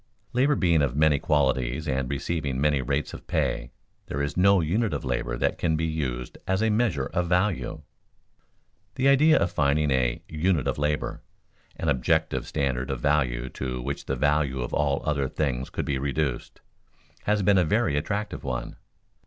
_Labor being of many qualities and receiving many rates of pay, there is no unit of labor that can be used as a measure of value._ The idea of finding in a "unit of labor" an objective standard of value to which the value of all other things could be reduced has been a very attractive one.